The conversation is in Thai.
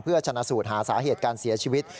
เพื่อชนะสูตรหาสาเหตุการเสียชีวิต